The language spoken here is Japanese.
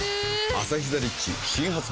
「アサヒザ・リッチ」新発売